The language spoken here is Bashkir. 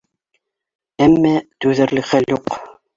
Әммә түҙерлек хәл юҡ.